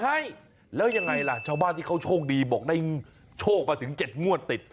ใช่แล้วยังไงล่ะชาวบ้านที่เขาโชคดีบอกได้โชคมาถึง๗งวดติด